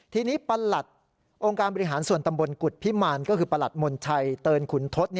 ทีนี้ประหลัดองค์การบริหารส่วนตำบลกุฎพิมารก็คือประหลัดมนชัยเตินขุนทศ